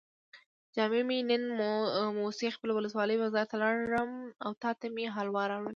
جان مې نن موسی خیل ولسوالۍ بازار ته لاړم او تاته مې حلوا راوړل.